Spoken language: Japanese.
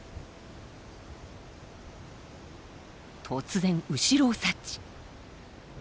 突然後ろを察知。